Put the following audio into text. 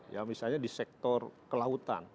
ya misalnya di sektor kelautan